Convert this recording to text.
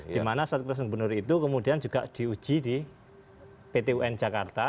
dimana surat keputusan gubernur itu kemudian juga diuji di pt un jakarta